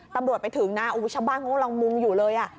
ตำบรวชไปถึงนะอุ้ยชาวบ้านมุ่งอยู่เลยอ่ะ